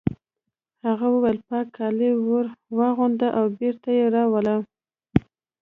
هغه وویل پاک کالي ور واغونده او بېرته یې راوله